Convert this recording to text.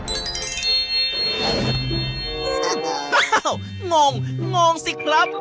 อ้าวงงงสิครับ